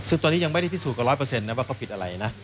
ซึ่งตอนนี้ยังไม่ได้พิสูจนกว่า๑๐๐นะว่าเขาผิดอะไรนะ